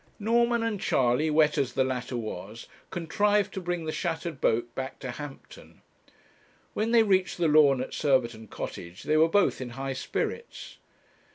Norman and Charley, wet as the latter was, contrived to bring the shattered boat back to Hampton. When they reached the lawn at Surbiton Cottage they were both in high spirits.